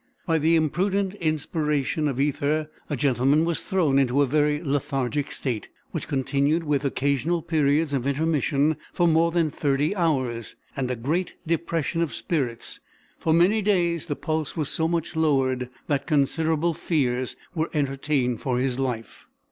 By the imprudent inspiration of ether a gentleman was thrown into a very lethargic state, which continued with occasional periods of intermission for more than thirty hours, and a great depression of spirits; for many days the pulse was so much lowered that considerable fears were entertained for his life."